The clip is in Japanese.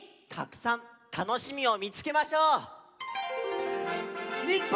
たくさんたのしみをみつけましょう！